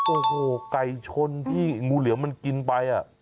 โอ้โหไก่ชนที่งูเหลือมมันกินไป